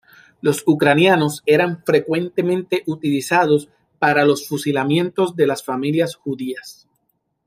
Los ucranianos eran frecuentemente utilizados para los fusilamientos de las familias judías.